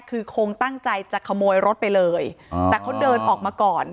คือคงตั้งใจจะขโมยรถไปเลยแต่เขาเดินออกมาก่อน